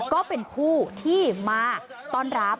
ก็เป็นผู้ที่มาต้อนรับ